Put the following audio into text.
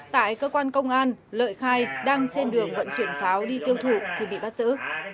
tại cơ quan công an lợi khai đang trên đường vận chuyển pháo đi tiêu thụ thì bị bắt giữ